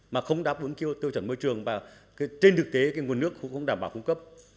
mà không đáp ứng tiêu chuẩn môi trường và trên thực tế nguồn nước không đảm bảo cung cấp